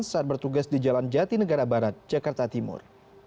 saat bertugas di jalan jati negara barat jakarta timur